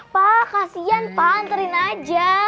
pa kasian pa anterin aja